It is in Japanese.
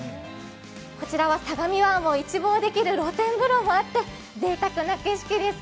こちらは相模湾を一望できる露天風呂もあってぜいたくな景色です。